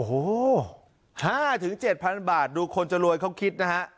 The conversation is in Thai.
โอ้โห๕๗๐๐บาทดูคนจะรวยเขาคิดนะฮะ